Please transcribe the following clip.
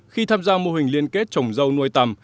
khi tham gia mô hình liên kết trồng dâu nuôi tầm